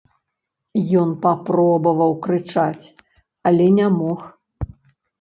Ён папробаваў крычаць, але не мог.